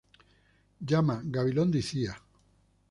Llama, Gabilondo y Cía.